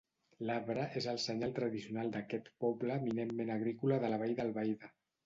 L'arbre és el senyal tradicional d'aquest poble eminentment agrícola de la Vall d'Albaida.